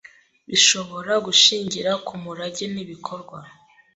Bishobora gushingira ku murage nk’ibikorwa